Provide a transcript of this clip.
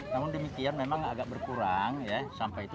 namun demikian memang agak berkurang ya sampah itu